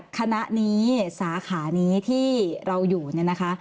คณะนี้สาขานี้ที่เราอยู่เนี่ยนะคะ